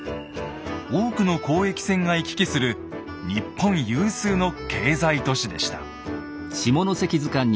多くの交易船が行き来する日本有数の経済都市でした。